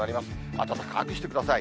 暖かくしてください。